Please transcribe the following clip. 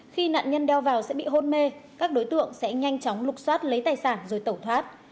khi nạn nhân đeo vào sẽ bị hôn mê các đối tượng sẽ nhanh chóng lục xoát lấy tài sản rồi tẩu thoát